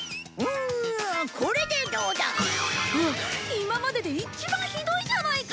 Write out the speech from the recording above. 今までで一番ひどいじゃないか！